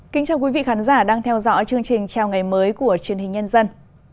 kính chào quý vị khán giả đang theo dõi chương trình chào ngày mới của truyền hình nhân dân